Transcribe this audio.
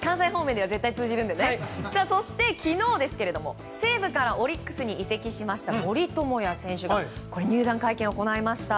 そして昨日西武からオリックスに移籍しました森友哉選手が入団会見を行いました。